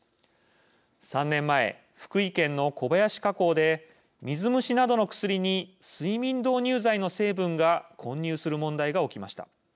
３年前、福井県の小林化工で水虫などの薬に睡眠導入剤の成分が混入する問題が起きました。